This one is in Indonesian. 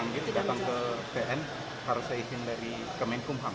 jadi kalau pak dipanggil datang ke vn harus saya izin dari kemenkum ham